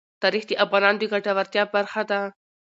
تاریخ د افغانانو د ګټورتیا برخه ده.